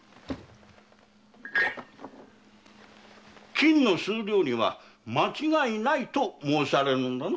金の数量には間違いないと申されるのだな？